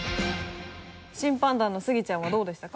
審判団のスギちゃんはどうでしたか？